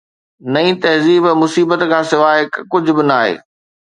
نئين تهذيب مصيبت کان سواءِ ڪجهه به ناهي